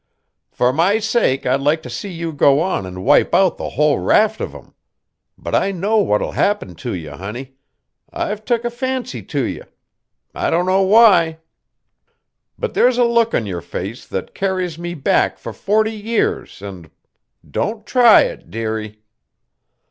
"For my sake I'd like to see you go on and wipe out the whole raft of 'em. But I know what'll happen to ye, honey. I've took a fancy to ye. I don't know why. But there's a look on your face that carries me back for forty years, and don't try it, dearie."